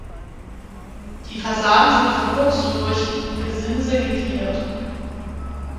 Die Fassaden sind verputzt und durch Gesimse gegliedert.